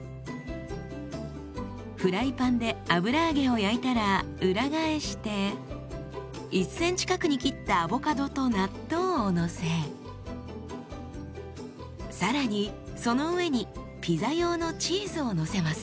フライパンで油揚げを焼いたら裏返して１ｃｍ角に切ったアボカドと納豆をのせ更にその上にピザ用のチーズをのせます。